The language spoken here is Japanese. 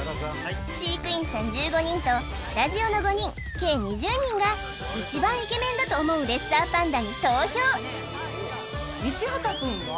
飼育員さん１５人とスタジオの５人計２０人が一番イケメンだと思うレッサーパンダに投票西畑くんは？